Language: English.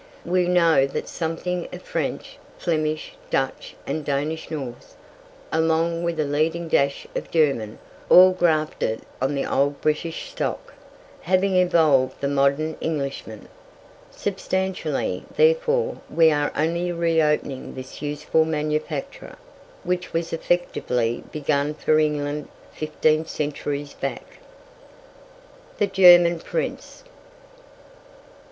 We know that something of French, Flemish, Dutch, and Danish Norse, along with a leading dash of German, all grafted on the old British stock, have evolved the modern Englishman. Substantially, therefore, we are only reopening this useful manufacture, which was effectively begun for England fifteen centuries back. THE GERMAN PRINCE.